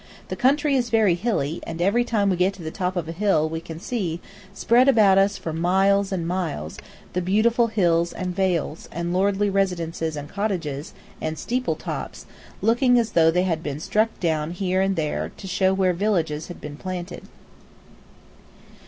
The country is very hilly, and every time we get to the top of a hill we can see, spread about us for miles and miles, the beautiful hills and vales, and lordly residences and cottages, and steeple tops, looking as though they had been stuck down here and there, to show where villages had been planted.